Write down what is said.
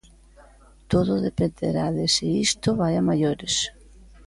Todo dependerá de se isto vai a maiores.